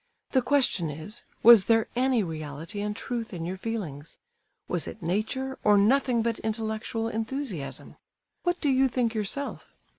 The question is, was there any reality and truth in your feelings? Was it nature, or nothing but intellectual enthusiasm? What do you think yourself?